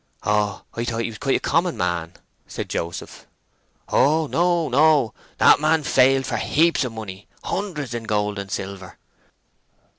"Oh, I thought he was quite a common man!" said Joseph. "Oh no, no! That man failed for heaps of money; hundreds in gold and silver."